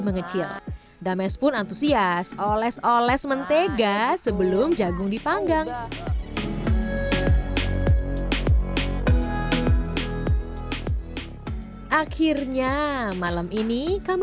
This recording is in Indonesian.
mengecil dames pun antusias oles oles mentega sebelum jagung dipanggang akhirnya malam ini kami